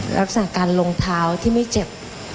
รักษาการลงเท้าที่ไม่เจ็บ